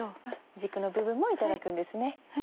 軸の部分もいただくんですね。